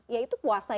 ya itu puasa ya